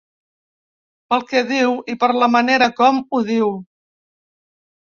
Pel que diu i per la manera com ho diu.